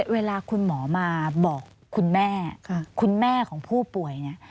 เวลาคุณหมอมาบอกคุณแม่คุณแม่ของผู้ป่วยเนี่ย